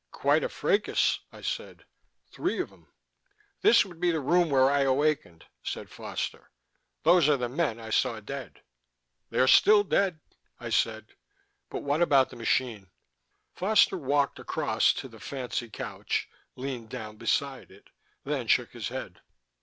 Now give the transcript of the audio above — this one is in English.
"Quite a fracas," I said. "Three of 'em." "This would be the room where I awakened," said Foster. "These are the men I saw dead." "They're still dead," I said. "But what about the machine?" Foster walked across to the fancy couch, leaned down beside it, then shook his head.